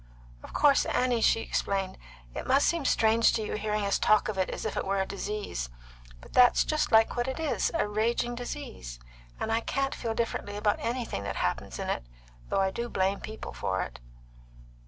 Of course, Annie," she explained, "it must seem strange to you hearing us talk of it as if it were a disease; but that's just like what it is a raging disease; and I can't feel differently about anything that happens in it, though I do blame people for it."